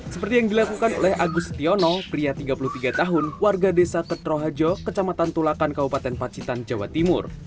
seperti yang dilakukan oleh agus setiono pria tiga puluh tiga tahun warga desa ketrohajo kecamatan tulakan kabupaten pacitan jawa timur